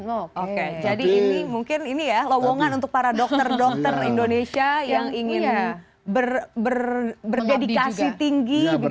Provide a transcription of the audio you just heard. oke jadi ini mungkin ini ya lowongan untuk para dokter dokter indonesia yang ingin berdedikasi tinggi